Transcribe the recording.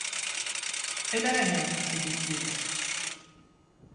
Hélène! lui dit-il.